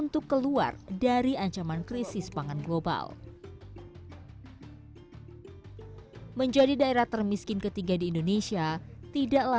budidaya sorghum seakan menjadi secerca harapan bagi warga sumbaha juga warga indonesia lainnya